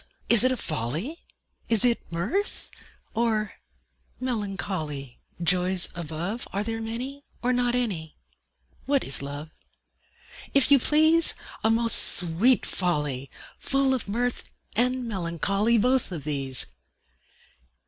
Is it a folly, Is it mirth, or melancholy? Joys above, Are there many, or not any? What is Love? If you please, A most sweet folly! Full of mirth and melancholy: Both of these!